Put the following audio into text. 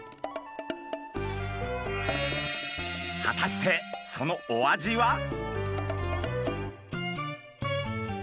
果たしてそのお味は？